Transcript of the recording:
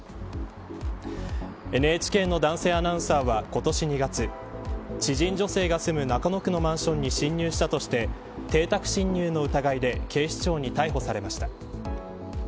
ＮＨＫの男性アナウンサーは今年２月知人女性が住む中野区のマンションに侵入したとして邸宅侵入の疑いで警視庁に逮捕されました。